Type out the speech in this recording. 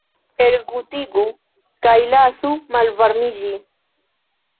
Elgutigu kaj lasu malvarmiĝi.